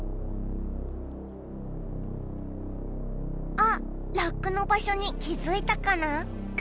「あっラックの場所に気づいたかな」